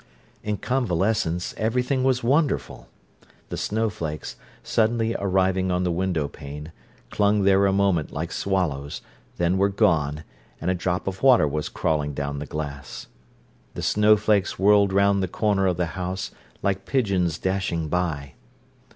In convalescence everything was wonderful. The snowflakes, suddenly arriving on the window pane, clung there a moment like swallows, then were gone, and a drop of water was crawling down the glass. The snowflakes whirled round the corner of the house, like pigeons dashing by.